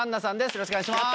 よろしくお願いします。